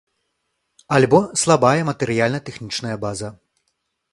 Альбо слабая матэрыяльна-тэхнічная база.